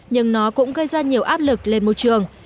nhưng nó cũng gây ra nhiều áp lực lên môi trường